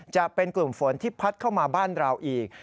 จะเป็นกลุ่มฝนที่พัดเข้ามาบ้านเราอีก